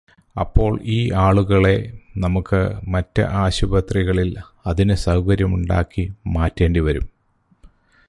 അപ്പോൾ ഈ ആളുകളെ നമുക്ക് മറ്റ് ആശുപത്രികളിൽ അതിന് സൗകര്യമുണ്ടാക്കി മാറ്റേണ്ടി വരും.